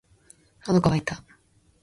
喉乾いた